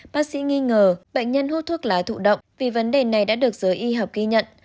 bác sĩ nghi ngờ bệnh nhân hút thuốc lá thụ động vì vấn đề này đã được giới y học ghi nhận